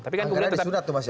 anggaran disurat tuh mas ya